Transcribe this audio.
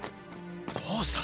どうした？